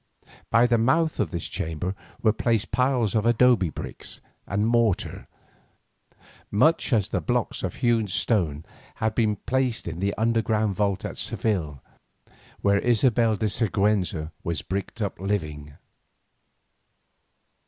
By the mouth of this chamber were placed piles of adobe bricks and mortar, much as the blocks of hewn stone had been placed in that underground vault at Seville where Isabella de Siguenza was bricked up living.